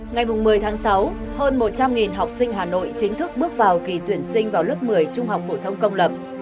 ngày một mươi tháng sáu hơn một trăm linh học sinh hà nội chính thức bước vào kỳ tuyển sinh vào lớp một mươi trung học phổ thông công lập